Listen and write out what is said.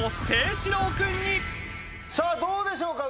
さあどうでしょうか？